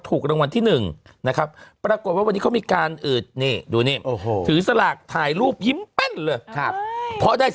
อืดนี่ดูนี่โอ้โหถือสลากถ่ายรูปยิ้มเป้นเลยครับเพราะได้